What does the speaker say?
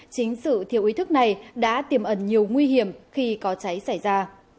chính sự thiếu ý thức này đã tiềm ẩn nhiều nguy hiểm khi có cháy xảy ra